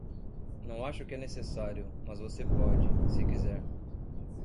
Não acho que é necessário, mas você pode, se quiser.